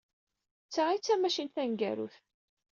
D ta ay d tamacint taneggarut.